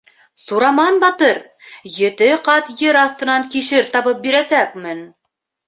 Сураман батыр, ете ҡат ер аҫтынан кишер табып бирәсәкмен!